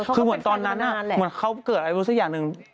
คือเหมือนตอนนั้นเหมือนเขาเกิดอะไรรู้สักอย่างหนึ่ง